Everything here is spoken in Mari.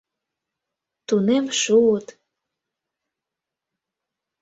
— Тунем шуыт...